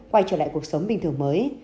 quay trở lại cuộc sống bình thường mới